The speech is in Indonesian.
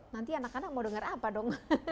nanti anak anak mau dengar apa dong